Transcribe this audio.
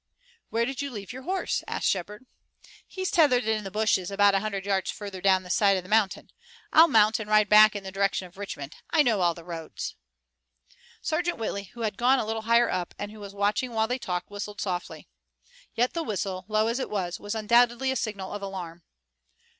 "Where did you leave your horse?" asked Shepard. "He's tethered in the bushes about a hundred yards farther down the side of the mountain. I'll mount and ride back in the direction of Richmond. I know all the roads." Sergeant Whitley, who had gone a little higher up and who was watching while they talked, whistled softly. Yet the whistle, low as it was, was undoubtedly a signal of alarm.